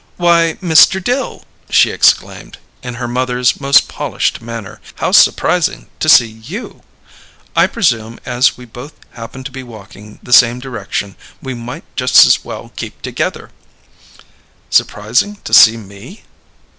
"Why, Mr. Dill!" she exclaimed, in her mother's most polished manner. "How supprising to see you! I presume as we both happen to be walking the same direction we might just's well keep together." "Surprising to see me?"